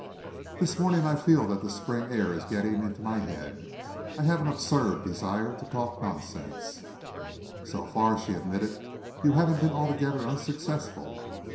This morning I feel that the spring air is getting into my head. I have an absurd desire to talk nonsense." "So far," she admitted, "you haven't been altogether unsuccessful."